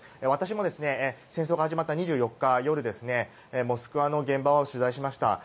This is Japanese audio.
私も戦争が始まった２４日の夜モスクワの現場を取材しました。